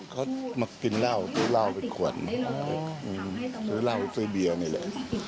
เขามากินเหล้าซื้อเหล้าเป็นขวดซื้อเหล้าซื้อเบียวนี่แหละ